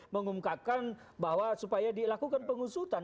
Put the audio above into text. mengungkapkan bahwa supaya dilakukan pengusutan